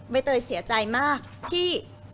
ใบเตยเสียใจมากที่